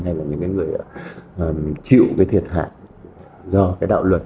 hay là những cái người chịu cái thiệt hại do cái đạo luật